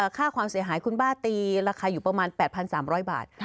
ค่าความเสียหายคุณป้าตีราคาอยู่ประมาณ๘๓๐๐บาท